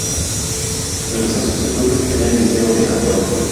Realizó sus estudios en el Liceo de Angol.